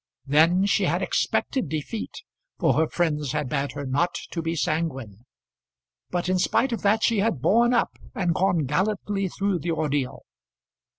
Then she had expected defeat, for her friends had bade her not to be sanguine; but in spite of that she had borne up and gone gallantly through the ordeal.